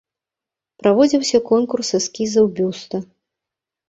Праводзіўся конкурс эскізаў бюста.